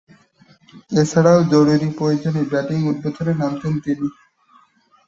এছাড়াও, জরুরী প্রয়োজনে ব্যাটিং উদ্বোধনে নামতেন তিনি।